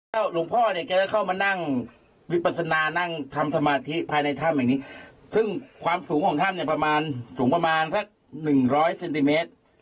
แล้วหลวงพ่อเนี่ยแกก็เข้ามานั่งวิปัสนานั่งทำสมาธิภายในถ้ำแห่งนี้ซึ่งความสูงของถ้ำเนี่ยประมาณสูงประมาณสักหนึ่งร้อยเซนติเมตร